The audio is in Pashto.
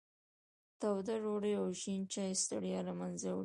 توده ډوډۍ او شین چای ستړیا له منځه وړي.